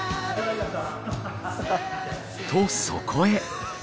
とそこへ。